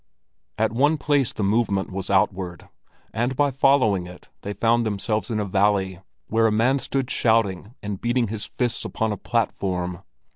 At one place the movement was outward, and by following it they found themselves in a valley, where a man stood shouting and beating his fists upon a platform.